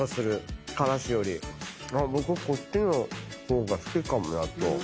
僕こっちの方が好きかも納豆。